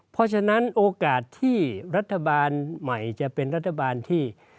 เพราะฉะนั้นโอกาสที่รัฐบาลใหม่จะเป็นรัฐบาลที่